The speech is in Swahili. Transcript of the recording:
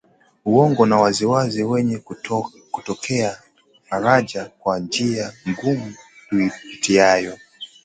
uongo wa waziwazi wenye kutoa faraja kwa njia ngumu tuipitiayo